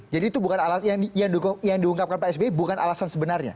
jadi itu bukan alasan yang diungkapkan pak sby bukan alasan sebenarnya